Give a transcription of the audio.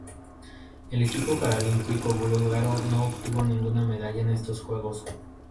El equipo paralímpico búlgaro no obtuvo ninguna medalla en estos Juegos.